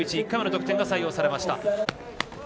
１回目の得点が採用されました。